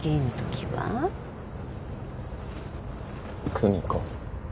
久美子。